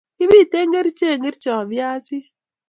Kipite kerichek ngircho viazi